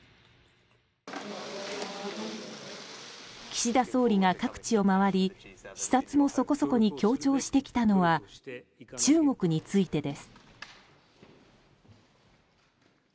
岸田総理が各地を回り視察もそこそこに強調してきたのは中国についてです。